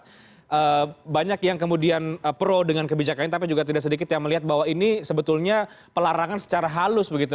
karena banyak yang kemudian pro dengan kebijakannya tapi juga tidak sedikit yang melihat bahwa ini sebetulnya pelarangan secara halus begitu